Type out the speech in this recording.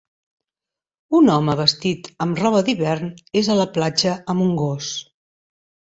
Un home vestit amb roba d'hivern és a la platja amb un gos.